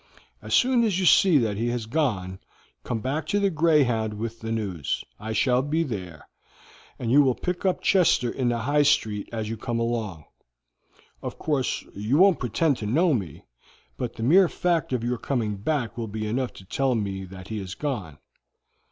As soon as you see that he has gone, come back to the Greyhound with the news. I shall be there, and you will pick up Chester in the High Street as you come along; of course you won't pretend to know me, but the mere fact of your coming back will be enough to tell me that he has gone.